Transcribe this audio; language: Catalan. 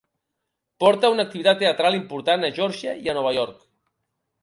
Porta una activitat teatral important a Geòrgia i a Nova York.